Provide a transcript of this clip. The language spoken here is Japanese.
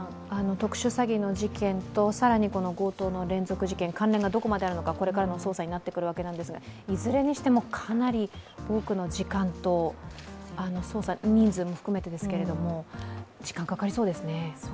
特殊詐欺の事件と更に強盗の連続事件、関連がどこまであるのかこれからの捜査になってくるわけですがいずれにしてもかなり多くの時間と、捜査人数も含めてですけど時間がかかりそうですね。